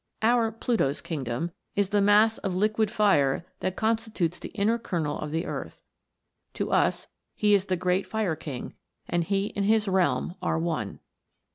Our " Pluto's Kingdom " is the mass of liquid fire that constitutes the inner kernel of the earth. To us, he is the Great Fire King, and he and his realm are one.